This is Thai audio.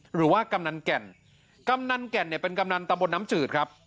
หรือว่ากำนันแก่นกำนันแก่นเป็นกำนันตำบลน้ำจืดครับ